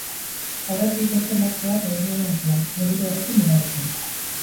Aurretik, beste martxa bat egingo da herrian, helburu horrekin berarekin.